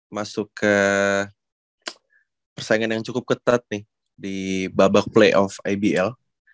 masuk ke persaingan yang cukup ketat nih di babak playoff ibl